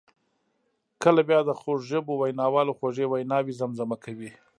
کله بیا د خوږ ژبو ویناوالو خوږې ویناوي زمزمه کوي.